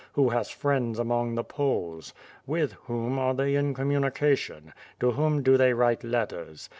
Who has friends among the Poles? With whom are they in communication? To whom do they write letters?